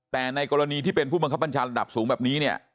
แต่ในกรณีที่เป็นผู้บังคับบัญชาระดับสูงแบบนี้เนี่ย